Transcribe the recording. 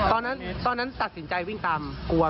๓๐๐เมตรได้นะตอนนั้นตัดสินใจวิ่งตามลึงเป็นกลัวไหม